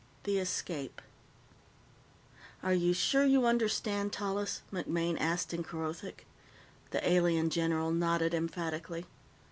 The Escape "Are you sure you understand, Tallis?" MacMaine asked in Kerothic. The alien general nodded emphatically.